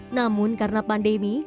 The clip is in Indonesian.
namun karena pandemi